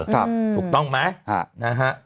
ถูกต้องไหม